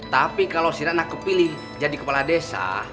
tapi kalau si ratna kepilih jadi kepala desa